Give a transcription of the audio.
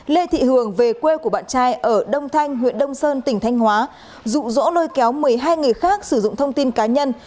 lê thị hường về quê của bạn trai ở đông thanh huyện đông sơn tỉnh thanh hóa rụ rỗ lôi kéo một mươi hai người khác sử dụng thông tin cá nhân